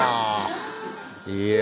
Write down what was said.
いや。